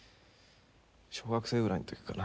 小学生ぐらいの時かな。